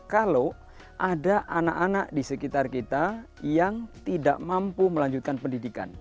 kalau ada anak anak di sekitar kita yang tidak mampu melanjutkan pendidikan